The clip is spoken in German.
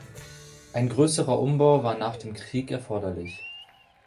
Ein größerer Umbau war nach dem Krieg erforderlich.